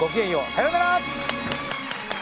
さようなら。